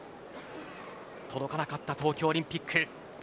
届かなかった東京オリンピック。